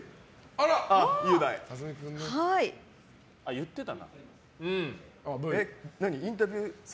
言ってたな。